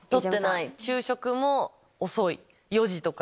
昼食も遅い。